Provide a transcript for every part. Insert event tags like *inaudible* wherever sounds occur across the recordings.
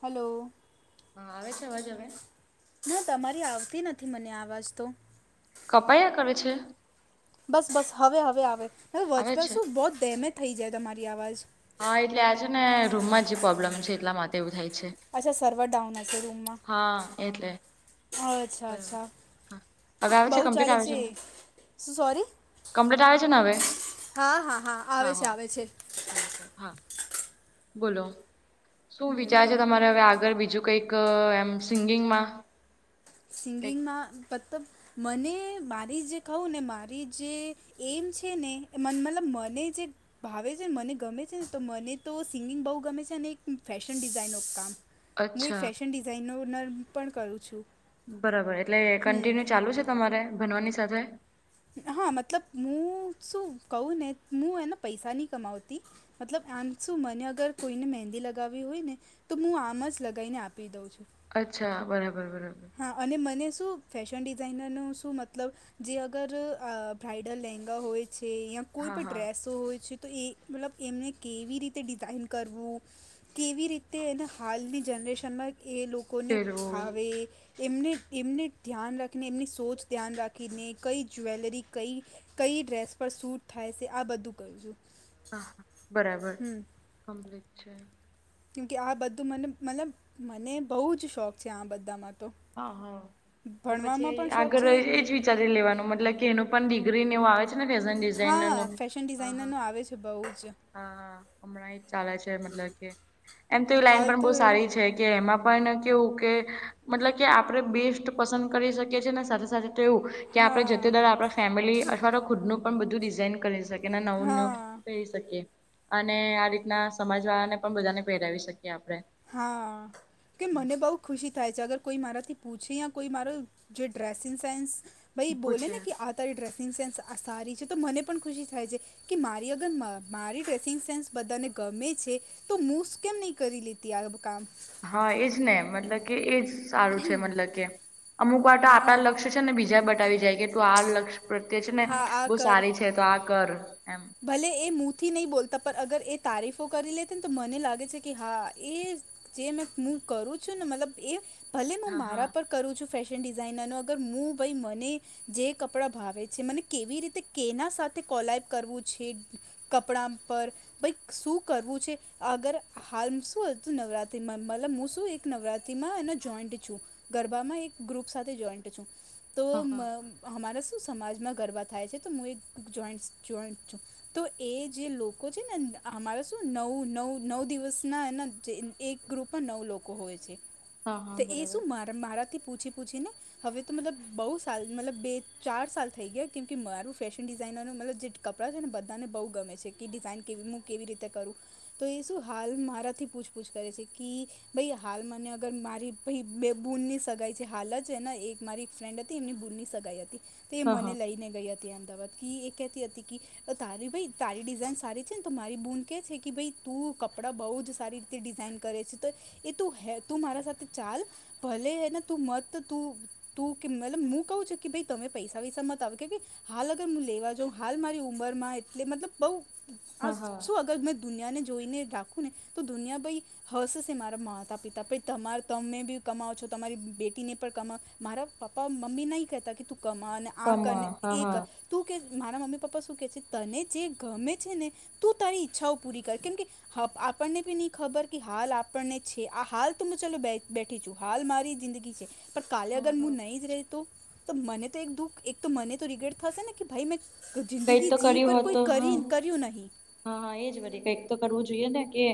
Hello. હા આવે છે અવાજ હવે. ના તમારી આવતી નથી મને અવાજ તો. કપાયા કરે છે. બસ બસ હવે હવે આવે હવે આવે વચમાં છે? શું બોહત ડેમેજ થઈ જાય તમારી અવાજ. હા એટલે આજ હેને રૂમમાં જે પ્રોબ્લેમ છે એટલા માટે એવું થાય છે. અચ્છા સર્વર ડાઉન હશે રૂમમાં. હા એટલે. અચ્છા બરાબર. અચ્છા હા હવે આવે છે બઉ કમ્પ્લીટ ચાલે આવે છે ને? શું સોરી. કમ્પ્લીટ આવે છે ને હવે હા હા હા આવે છે આવે છે. હા બોલો શું વિચાર છે એકદમ તમારે હવે આગળ બીજું કઈ. ક એમ સિંગિંગમાં. કંઈક? સિંગિંગમાં મતબ મને મારી જે કઉ ને મારી જે એમ છે ને મન મલબ મને જે ભાવે છે મને ગમે છે ને તો મને તો સિંગિંગ બહુ ગમે છે અનેને એક ફેશન ડિઝાઇનનું કામ હું એક અચ્છા ફેશન ડિઝાઇનનો નર્મ પણ કરું છું. બરાબર એટલે કન્ટિન્યુ હમ ચાલુ છે તમારે ભનવાની સાથે. હા મતલબ હું શું કહું ને હું એને પૈસા નહી કમાવતી મતલબ આમ શું મને અગર કોઈને મહેંદી લગાવવી હોય ને તો હું આમ જ લગીને આપી દઉં છું. અચ્છા બરાબર બરાબર. હા અને મને શું ફેશન ડિઝાઇનરનું શું મતલબ જે અગર ભ્રાઇડલ લેંગા હોય છે યા કોઈ હા પણ હા ડ્રેસો હોય છે. તો એ મતલબ એમને કેવી રીતે ડિઝાઇન કરવું. કેવી રીતે એન હાલની જનરેશનમાં એ લોકોને પેલું ફાવે એમને એમને ધ્યાન રાખીને એમની સોચ ધ્યાન રાખીને કઈ જ્વેલરી કઈ કઈ ડ્રેસ પર સૂટ થાય છે આ બધું કરી જોઉ. હા બરાબર કમ્પ્લીટ છે. કેમ કે આ બધું મને મલબ મને બહુ જ શોખ છે આ બધામાં તો. હા હા તો પછી ભણવામાં પણ શોખ આગળ છે એજ વી વિચારી લેવાનું મતલબ કે એનું પણ ડિગ્રીનેવ આવે છે. ને ફેશન હા ડિઝાઇનરનું ફેશન હા ડિઝાઇનર હા ન આવે છે બહુ જ હા હમણાં એજ ચાલે છે મતલબ કે એમ તો એ લાઈન હાલ પણ તો બહ એડું સારી છે. કે એમાં પણ કેવું કે મતલબ કે આપણેે બેસ્ટ પસંદ કરી શકીએ છીએ ને સાથે સાથે તેવું. કે આપણે જતે હા દર આપ ફેમિલી અથવા તો ખુદનું પણ બધું ડિઝઇન કરી શકી નવું નવુ. હા અને આ રીતના સમાજ વાળા ને પણ બધાને પહેરાવી શકીએ આપણે. હા. કે મને બહુ ખુશી થાય છે અગર કોઈ મારાથી પૂછે કોઈ મારો જે ડ્રેસિંગ સેન્સ ભાઈ બોલે પૂછે ને કે આ તારી ડ્રેસિંગ સેન્સ આ સારી છે તો મને પણ ખુશી થાય છે. કે મારી અગર મ મારી ડ્રેસિંગ સેન્સ બધાને ગમે છે તો મુસ કેમ નહી કરી લે ત્યાં બ કામ હા એજ ને મતલબ કે એજ સારું છે મતલબ કે અમુક વાર તો હા આટા લક્ષ છે ને બીજા બટાવી જાય કે તું આ લક્ષ્ય પ્રત્યે છે ને હા આ બહુ કર સારી છે તો આ કર એમ. ભલે એ મુથી નહી બોલતા પણ અગર એ તારીફો કરી લેત ને તો મને લાગે છે કે હા એ જે મેં હું કરું છું ને મતલબ એ ભલે હું હા હા મારા પર કરું છું ફેશન ડિઝાઇનર નો અગર હું ભઈ મને જે કપડાં ભાવે છે મને કેવી રીતે કેના સાથે કોલાઈબ કરવું છે કપડા પર ભાઈ શું કરવું છે અગર હાલ શું હતું નવરાત્રીમાં મતલબ હું શું? એક નવરાત્રીમાં એનો જોઈન્ટ છું ગરબામાં એક ગ્રુપ સાથે જોઈન્ટ છું તો હા હા અમારા શું સમાજમાં ગરબા થાય છે તો હું એક જોઈન્ટ જોઈન્ટ ચુપ તો એ જે લોકો છે ને અમારે શું નવ નવ નવ દિવસના એને જે એક ગ્રુપમાં નવ લોકો હોય છે હા હા તો એ બરાબર શું મારા મારાથી પૂછી પૂછીને હવે તો મતલબ બહુ સાલ મતલબ બે ચાર સાલ થઈ ગયા કેમ કે મારું ફેશન ડિઝાઇનર ન મતલબ જે કપડાં છે ને બધાને બહુ ગમે છે કે ડિઝાઇન કેવી હું કેવી રીતે કરું તો એ શું હાલ મારાથી પૂછપૂછ કરે છે કે ભાઈ હાલ મને અગર મારી બે બૂનની સગાઈ છે હાલ જ ને એક મારી ફ્રેન્ડ એમની બૂની સગાઈ હતી તે એ હા મને હા લઈને ગઈ હતી અમદાવાદ કે એ કતી હતી તારી ભાઈ તારી ડિઝાઇન સારી છે ને તો મારી બૂલ કહે છે કે ભ તું કપ કપડાં બહુ જ સારી રીતે ડિઝાઇન કરે છે તો એ તું હે તું મારા સાથે ચાલ ભલેને તું મત તું તું મલ હું કવું છ કે ભ તમે પૈસા વૈસા મત આવે કે હાલ અગર હું લેવા જાઉં હાલ મારી ઉંમરમાં એટલે મતલબ બહુ આ હા હા શું અગર મેં દુનિયાને જોઈને રાખવું ને તો દુનિયાભાઈ હશેશે મારા માતા પિતા ભાઈ તમાર તમે બી કમાવો છો તમારી બેટીને પણ કમાવ મારા પપ્પા મમ્મી નહીં કહેતા કે તું કમા ને આ કર કમા ને હા એ હા કર તું કે મારા મમ્મી પપ્પા શું કે છે તને જે ગમે છે ને તું તારી ઈચ્છાઓ પૂરી કર કેમ કે હ આપણને ભી નહી ખબર કે હાલ આપણને છે આ હાલ તો હું ચાલ બેઠી છું. હાલ મારી જિંદગી છે પણ કાલે હા અગર હા હું નહીં જ રહે તો તો મને તો એક દુઃખ એક તો મને તો રિગ્રેટ થશે ને કે ભાઈ મેં કઈક જિંદગી તો જી કર્યું પર હોત કોઈ તો હા કરી કર્યું નહીં. હા હા એ જ મરે કંઈક તો કરવું જોઈએ ને કે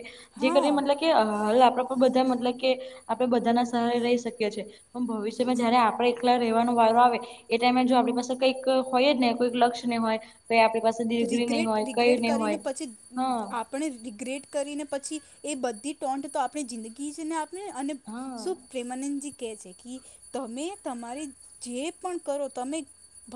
જે કરી હા મતલબ કે આપણા પર બધા મતલબ કે આપણે બધાના સહારે રહી શકીએ છીએ પણ ભવિષ્યમાં જયારે આપણે એકલા રહેવાનો વારો આવે એ ટાઈમે જો આપણી પાસે કંઈક હોય ને કોઈક લક્ષ નહી હોય તો એ આપણી પાસે દીગરી નહી રિગ્રેટ હોય કયું રિગ્રેટ નહી કરીને હોય પછી હા આપણે રિગ્રેટ કરીને પછી એ બધી ટોન્ટ તો આપણી જિંદગી જને આપ અને હા શું પ્રેમાનંદજી કે છે કે તમે તમારી જે પણ કરો તમે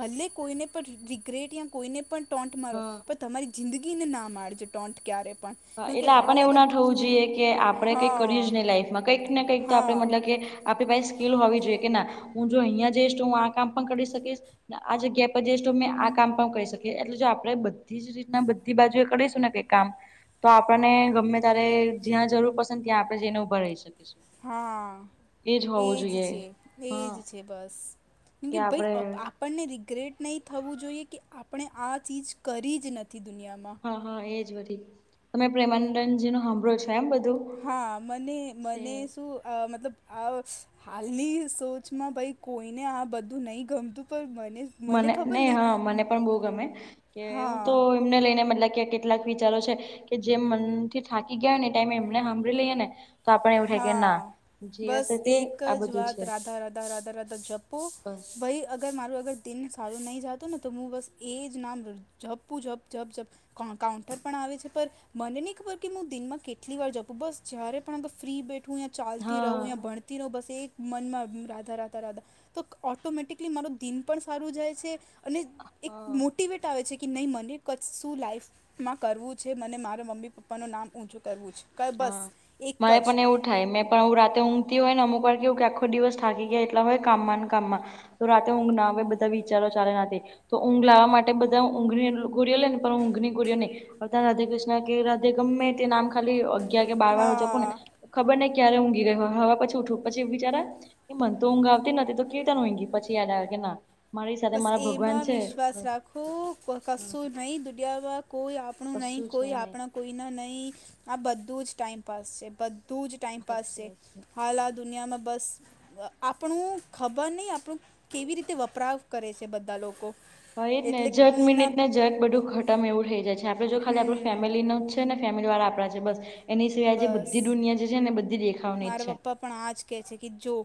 ભલ્લે કોઈને પણ રિગ્રેટ યા કોઈને પણ. ટોન્ટ મારો હા પણ તમારી જિંદગીને ના મારજો ટોન્ટ ક્યારે પણ. કેમ કે એટલે આપને હાલ એવું અગર ના થવું જોઈએ કે આપડણે કંઈક હા કર્યું જ નહી લાઈફમાં કંઈક ને કંઈક તો આપણે હા મતલબ કે. આપણી પાસે સ્કીિલ હોવી જોઈએ કે ના હું જો અહિયાં જઈશ તો હું આ કામ પણ કરી શકીશ આ જગ્યા પર જઈશ તો અં આ કામ પણ કરીહી શકીએ એટલે જો આપણેે બધી જ રીતના. બીધી બાજુ એ કરીશું કઈ કામ તો આપણને ગમે ત્યારે જ્યાં જરૂર પસંદ ત્યાં આપણે જેને ઉઊભા રહી શકીશું. હા હોવું એજ જોઈએ છે એજ હા છે બસ કેમ કે ભાઈ આપ આપણને રિગ્રેટ નહીં થવું જોઈએ કે આપણે આ ચીજ કરી જ નથી દુનિયામાં હા હા એજ બી તમે પ્રેમાનંદજી નો સાંભળો છો એમ બધું. હા મને મને સેમ. શું મતલબ આ હાલની સોચમાં ભાઈ કોઈને આ બધું નહીં ગમતું પણ મને મને ખબર નહી હા મને નહીં પણ બહુ ગમે કે એવું હા તો એને લઈને મતલબ કે કેટલાક વિચારો છે. કે જેમ મનથી થાકી ગયા હોય ને એ ટાઈમે એમને સાંભળી લઈએ ને તો આપને એવું થાય કે ના હા જે બસ હશે તે એક આ જ બધું વાત છે રાધા રાધા રાધા રાધા જપો બસ ભાઈ અગર મારોું અગર દિન સારું નહીં જાતોું ને તો હું બસ એ જ નામ જઝપું ઝપઝપ જઝપ કાઉન્ટર પણ આવે છે પણ મને નહી ખબર કે હું દિનમાં કેટલી વાર જપું બસ જ્યારે પણ ફ્રી બેઠું યા ચાલતી હા રહું યા ભણતી રહું બસ એક મનમાં રાધા રાતા રાધા. તો ઓટોમેટિકલી મારું દિન પણ સારું જાય છે અને એક મો. હા મોટિવેટ આવે છે કે નહીં મને કચ્છ શું લાઈફ માં કરવું છે મને મારા મમ્મી પપ્પા નું નામ ઊછું કરવું છે. બસ હા. એક મારે જ પણ એવું થાય મેં પણ હું રાતેઊઘ હોયને અમુક વાર કે એવું કે આખો દિવસ થાકી ગાય એટલા હોય કામમાં કામમાં તો રાતે ઊઘ ના આવે બધા વિચારો ચાલે ના તો ઊંઘ લાવવા માટે બધા ઊંઘની ગોરઓ લે ને પણ ઊંઘની ગોરિઓ નહી. અ ત રાધે કૃષ્ણ કે રાધે ગમે તે નામ ખાલી અગયાર કે બાર વાર હોજકો ને. હા ખબર નને ક્યારે ઊઘી ગય હવા પછી ઉઠું પછી બિચારા. એ મન તો ઊંઘ આવતી નથી તો કેવીું તનું ઈંઘી પછી યાદ આવે કે ના. મારી સાથે મારા ભગવાન છે. હ કશું નહીં દુનિયાવા કોઈ આપણું નહીં કશું છે કોઈ નહી આપણા. કોઈને નહીં આ બધું જ ટાઈઇમપાસ છે બધું જ. ટાઈમપાસ સાચી છે વાત હાલ આ દુનિયામાં બસ. આપણું ખબર નહીં આપણું કેવી રીતે વપરાવ કરે છે બધા લોકો હ એ ને એટલે જત કોઈના મિનિટ ને જત બધું ખતમ એવું થઈ જાય છે આપડે જો ખાલી આપ હમ ફેમિલીનું ફેમિલી વાળા આપડા છે બસ એની સિવાય જે બસ બધી દુનિયા જે છે ને બધી દે. મારા પપ્પા પણ આજ કેહે છે કે જો.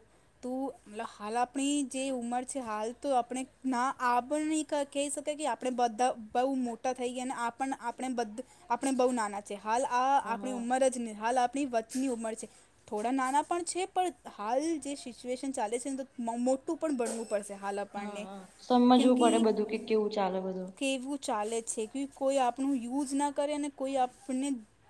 તું મતલ હાલ આપણી જે ઉંમર છે હાલ તો આપણે ના આ નહી. કહી શકાય કે આપણે બધા બહુ મોટા થઈ ગયા અને આપણે બ આપણે બહુ નાના. જે હાલ આ હા આપણી હા ઉંમર જ નહી હાલ આપણી વચ્ચની ઉંમર છે. થોડા નાના પણ છે પણ હાલ જે સિચ્યુએશન ચાલે છે ને તો મોટું પણ ભણવું પડશે હાલ હા પાડને હા. સમજવું પડે ક્યકી બધું કે કેવું ચાલે બધું. કેવુ. ચાલે છે કે કોઈ આપણું યુઝ ના કરે અને કોઈ આપને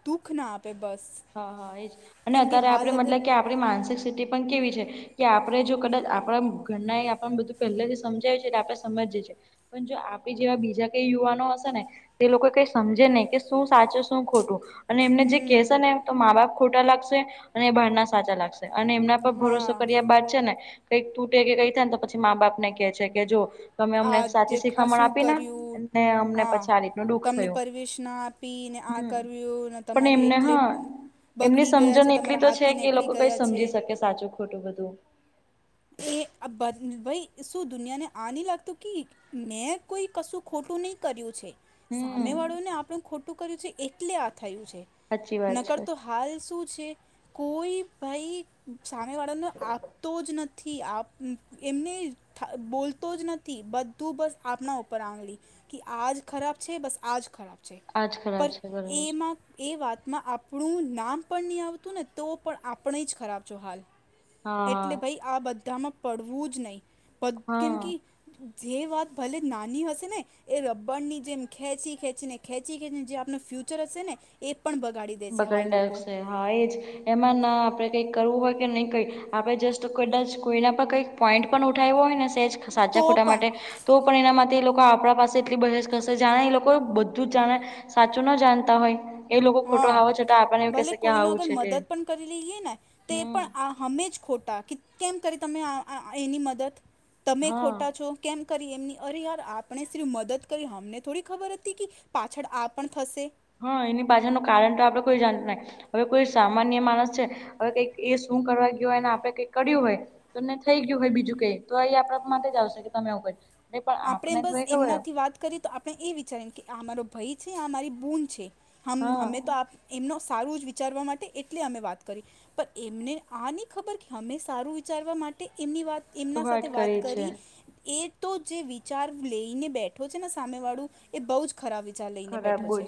દુઃખ ના આપે બસ હા હા એજ અને કેમ કે અત્યારે આપણે હાલ અગર મતલબ કે આપણી માનસિક સ્થિતિ પણ કેવી છે. કે આપણે જો કદાચ આપણા ઘરના એ આપ બધું પહેલાથી સમજાય છે એટલે આપણે સમજીએીએ પણ જો આપે જેવા બીજા કઈ યુવાનો હશે ને એ લોકો કઈ સમજે નહી કે શું સાચું શું ખોટું અને એમને જે કહેશે ને તો મા બાપ ખોટા લાગશે અને એ બહારના સાચા લાગશે અને એમના ભરોસો હા કર્યા બાદ છે ને કઈક તૂટે કે કઈ થાય ને તો પછી મા બાપ ને કે છે કે જો તો અમે અમને આ જે સાચી આ શીખામણ શું આપી ના કર્યું અને અમને પછી આ રીતનું દુઃખ થયુ પીને આ કર્યું તમારી એટલે હા એમની બગડી ગયા છે સમજણ એટલી તમારા તો છે હાથથી કે એ લોકો નીકળી કઈ ગયા છે સમજી શકે સાચું ખોટું બધું એ ભાઈ શું દુનિયા ને આ ન લાગતું કે મેં કોઈ કશું ખોટું નહીં કર્યું છે. હમ સામે વાળોને આપણું ખોટું કર્યું છે એટલે આ થયું છે, સાચી વાત છે નકરતો હાલ શું છે કોઈ ભાઈ સામેવાળાનો આપતો જ નથી. થી આપ એમને બોલતો જ નથી બધું બસ આપના ઉપર આંગળી કે આ જ ખરાબ છે બસ આ જ ખરાબ છે આજ પર ખરાબ છે બરોબર છે એમાં એ વાતમાં આપણું નામ પણ નહીં આવતું ને તો પણ આપણે જ ખરાબ છો હાલ હા એટલે હા ભાઈ આ બધામાં પડવું જ નહી કેમ હા કે જે વાત ભલે નાની હશે ને એ રબર ની જેમ ખેંચી ખેંચી ને ખેંચી ખેંચીને જે આપનો ફ્યુચર હશે ને એ પણ બગાડી દ બકર ડસ હા એ જ એમાં ના આપડે કઈક કરવું હોય કે નહી કરી આપડે જસ્ટ કદાચ કોઈના પણ કઈ. પોઈન્ટ પણ ઉઠાવ્યો હોય સેચ સાચા તો ખોટા પણ માટે તો પણ એના માટે એ લોકો આપણા પાસે એટલી બ કરશે જા એ લોકો. સાચું ના જાણતા હોય એ લોકો ખોટો હા હાવો છતાં આપણને એવું ભલે કેશે કે કોઈ ન આવું અગર છે તે મદદ પણ કરી લઈએ ને તો એ પણ હમ આ હમે જ ખોટા કે *unintelligible* કેમ કરી તમે એની મદદ તમે હા ખોટા છો. કેમ કરી એમની અરે યાર આપણે સિફ મદદ કરી અમને થોડી ખબર હતી કે પાછળ આ પણ થશે હા એની પાછળ નું કારણ તો આપણે કોઈ જાણ ના હવે કોઈ સામાન્ય માણસ છે હવે કઈક એ શું કરવા ગયો હોયને આપે કઈક કર્યું હોય તમને થઈ ગયું હોય બીજું કઈ તો એ આપણા માટે જ આવશે કે તમે આવવું કયું આપણે બસ એમનાથી વાત કરી કરી તો આપણે એ વિચારી કે આ મારો ભાઈ છે મારી બૂન છે હમે તો હા એમનો સારું જ વિચારવા માટે એટલે અમે વાત કરી પણ એમને આ નહી ખબર કે અમે સારું વિચારવા માટે એમની વાત એમના સાથે વાત કરી એ તો જે વિચાર લઈને બેઠો છે ને સામે વાળું એ બઉ જ ખરા વિચાર લે ખરાબોજ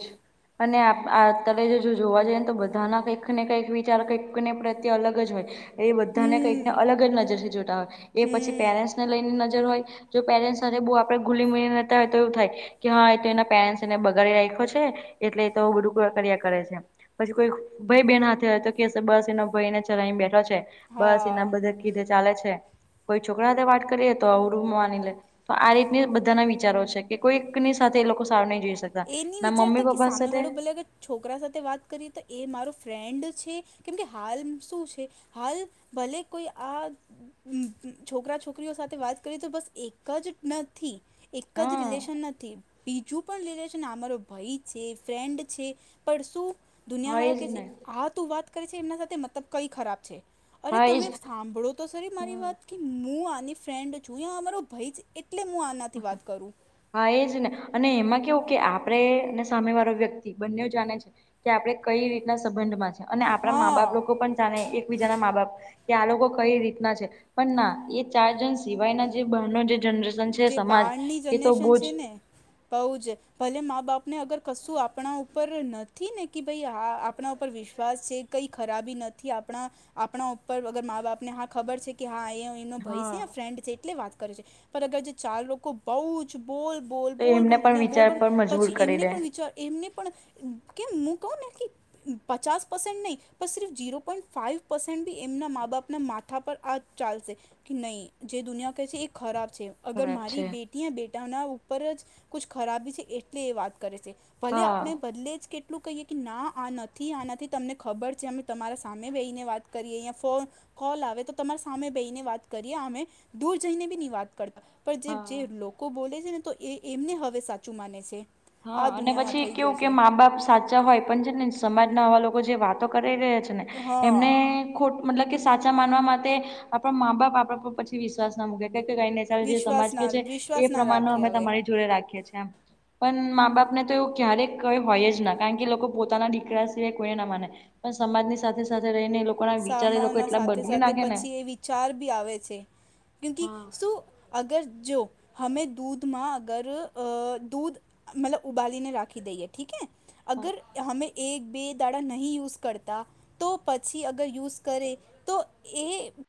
અને આ તમે જો જોવા જઈએ ને તો બધાના કંઈક ને કંઈક વિચાર કંઈક ને પ્રત્યે અલગ જ હોય એ બધાને કંઈક હમ ને અલગ જ નજર થી જોતા હોય એ પછી પેરેન્ટ્સ હમ ને લઈને નજર હોય જો પેરેન્ટ્સ સાથે બહુ આપણે ગુલી મીલી નતા હોય તો એવું થાય કે હા એ એના પેરેન્ટ્સ ને બગાડી રાખો છે એટલે એ તો બધું કામ કરિયા કરે છે. પછી કોઈ ભાઈ બહેન સાથે હોય તો કે બસ એનો ભાઈ ને ચલાવી બેઠો છે. બસ હા એના બધા કીધે ચાલે છે કોઈ છોકરા સાથ વાત કરીએ તો અવળું માંની લે તો આ રીતની બધાના વિચારો છે કે કોઈકની સાથે એ લોકો સારુ નહી જોઈ શક એ નહીં ના વિચારતા મમ્મી કે પપા સાથે સામેવાળો ભલે અગર છોકરા સાથે વાત કરીએ તો એ મારો ફ્રેન્ડ છે કેમકે હાલ શું છે હાલ ભલે કોઈ આ છોકરા છોકરીઓ સાથે વાત કરીએ તો બસ એક જ નથી એક જ હા રિલેશન નથી બીજું પણ રિલે છે આ માંરો ભઈ છે ફ્રેન્ડ છે પણ શું દુનિયા હા વાળા એજ કેસે ને આ તું વાત કરે છે એમના સાથે મતલબ કઈ ખરાબ છે અરે હા એજ તમે સાંભળો તો સરી મારી હમ વાત કે હું આની ફ્રેન્ડ છું યા આ મારો ભઈ છે એટલે હું આનાથી વાત કરું હા એ જ ને અને એમાં કેવું કે આપણે ને સામે વાળો વ્યક્તિ બંનેઓ જાણે છે કે આપડે કઈ રીતના સંબંધમાં છે અને આપડા મા બાપ હા લોકો પણ જાણે એકબીજાના મા બાપ કે આ લોકો કઈ રીતના છે પણ ના એ ચાર જણ સિવાયના જે બાર નો જે જનરેશ જે સમાજ એ તો બોજ બઉ જ ભલે મા બાપને અગર કશું આપણા ઉપર નથી ને કે ભઈ આ આ પણા ઉપર વિશ્વાસ છે કંઈ ખરાબી નથી આપણા આપણા ઉપર અગર મા બાપ ને હા ખબર છે કે હા એ અ એનો ભાઈ હા છે ફ્રેન્ડ છે એટલે વાત કરે છે પર અગર જે ચાર લોકો બહુ જ બોલ બોલ તો બોલ એમને બોલ પણ દુનિયા બોલ વિચાર બોલ પર મજબૂર પછી કરી એમને દે પણ વિચાર એમને પણ કેમ મું કઉં ને કી પચાસ પર્સેન્ટ નહીં પણ સિર્ફ ઝીરો પોઈન્ટ ફાઇવ પર્સેન્ટ બી એમના મા બાપના માથા પર આ ચાલશે કે નહી જે દુનિયા કહે છે એ ખરા છે અગર ખરાબ છે મારી બેટી અ બેટાના ઉપર જ કુછ ખરાબી છે એટલે એ વાત કરે છે ભલે હા આપણે બદલે જ કે એટલું કહીએ કે ના આ નથી આ નથી તમને ખબર છે અમે તમારા સામે બેહીને વાત કરીએ અહીંયા ફોન કોલ આવે તો તમારા સામે બેહીને વાત કરીએ અમે દૂર જઈને બી ની વાત પણ જે હા જે લોકો બોલે છે ને તો એ એમને હવે સાચું માને છે. હા આ અને દુનિયામાં પછી થઈ કેવું ગયો કે છે મા બાપ સાચા હોય પણ છે ને સમાજના આવા લોકો જે વાતો કરી રહ્યા છે ને એમને હા ખોટ મતલબ કે સાચા માનવા માટે આપણા મા બાપ આપણા પર પછી વિશ્વાસ ના મૂકે કે કઈ જે સમાજ વિશ્વાસ કે ના છે એ વિશ્વાસ ના પ્રમાણ નો રાખે અમે હવે તમારી જોડે રાખીએ છે એમ. પણ મા બાપ ને તો એવું ક્યારેક કઈ હોય જ ના કારણ કે લોકો પોતાના દીકરા સિવાય કોઈ ના માને પણ સમાજની સાથે સાથે રહીને એ લોક સામાના સાથે સાથે પછી એ વિચાર બી આવે છે કિયુકી હા શું અગર જો હમે દૂધમાં અગર અ દૂધ મતલબ ઉબાલીને રાખી દઈએ ઠીક હે અગર હમે એક બે દાડા નહીં યુઝ કરતા તો પછ ઇ અગર યુઝ કરે તો એ